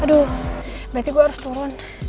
aduh berarti gue harus turun